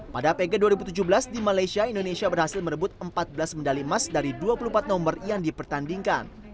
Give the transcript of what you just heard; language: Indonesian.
pada pg dua ribu tujuh belas di malaysia indonesia berhasil merebut empat belas medali emas dari dua puluh empat nomor yang dipertandingkan